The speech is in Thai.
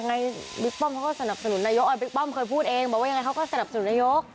อันนี้ผู้ศนับสนุนนายกบิ๊กป้อมเคยพูดเองบอกว่ายังไงเขาก็สนับสนุนนายก